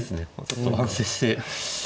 ちょっと反省して。